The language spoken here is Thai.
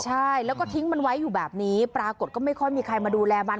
ใช่แล้วก็ทิ้งมันไว้อยู่แบบนี้ปรากฏก็ไม่ค่อยมีใครมาดูแลมัน